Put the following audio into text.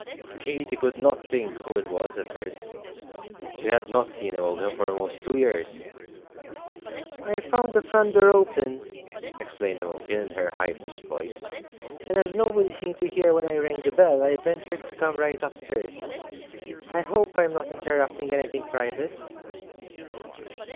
Katy could not think who it was, at first. She had not seen Imogen for almost two years. "I found the front door open," explained Imogen, in her high pitched voice, "and as nobody seemed to hear when I rang the bell, I ventured to come right up stairs. I hope I'm not interrupting anything private?"